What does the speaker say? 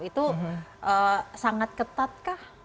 itu sangat ketat kah